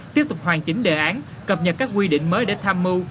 tiếp tục hoàn chỉnh đề án cập nhật các quy định mới để tham mưu